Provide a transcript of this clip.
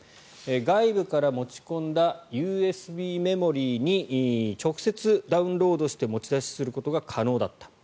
外部から持ち込んだＵＳＢメモリーに直接ダウンロードして持ち出しすることが可能だった。